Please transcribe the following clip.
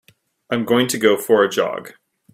I'm going to go for a jog.